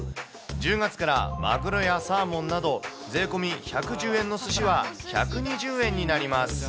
１０月からまぐろやサーモンなど、税込み１１０円のすしは１２０円になります。